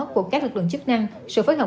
của các lực lượng chức năng sự phối hợp